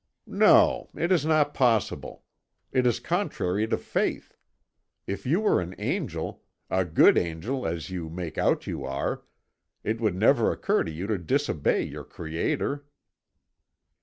"No! It is not possible. It is contrary to faith. If you were an angel, a good angel as you make out you are, it would never occur to you to disobey your Creator."